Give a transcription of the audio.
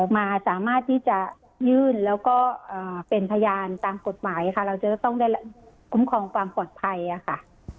มาสามารถที่จะยื่นแล้วก็เป็นพยานตามกฎหมายค่ะเราจะต้องได้คุ้มครองความปลอดภัยค่ะ